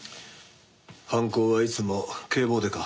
犯行はいつも警棒でか？